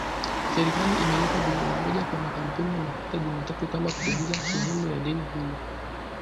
Serikali imelipa bilioni moja kwa makampuni ya mafuta Jumatatu kama kupunguza sehemu ya deni hilo